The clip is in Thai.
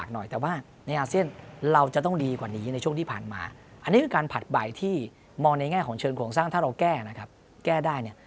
ความสร้างถ้าเราแก้นะครับแก้ได้เนี่ย